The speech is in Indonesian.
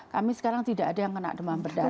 kami sekarang tidak ada yang kena demam berdarah